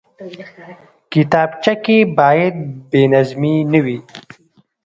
کتابچه کې باید بېنظمي نه وي